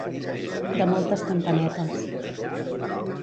De moltes campanetes.